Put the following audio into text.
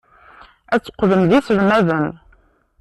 Ad teqqlem d iselmaden.